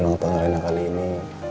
ulang tahun rena kali ini